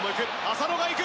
浅野が行く。